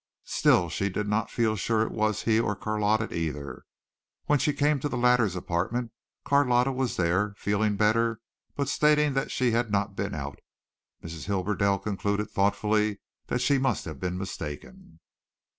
Still she did not feel sure it was he or Carlotta either. When she came to the latter's apartment Carlotta was there, feeling better, but stating that she had not been out. Mrs. Hibberdell concluded thoughtfully that she must have been mistaken.